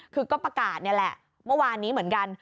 คือก็ประกาศนี่แหละเมื่อวานนี้เหมือนกัน